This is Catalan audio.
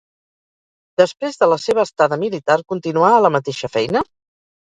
Després de la seva estada militar, continuà a la mateixa feina?